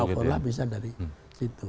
kualitas sekolah bisa dari situ